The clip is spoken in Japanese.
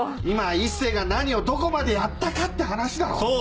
今は一星が何をどこまでやったかって話だろ。